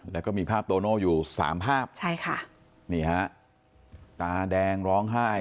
แล้วก็มีภาพโตโน่อยู่๓ภาพนี่ฮะตาแดงร้องไห้